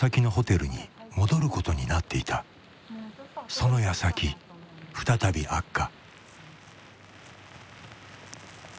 そのやさき再び悪化。